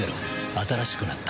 新しくなった